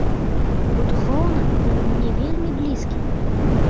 Бо духоўна ён мне вельмі блізкі.